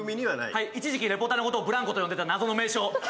はい、一時期レポーターのことをブラン娘と呼んでた謎の呼称。